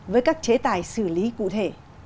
với các chế tài xử lý cụ thể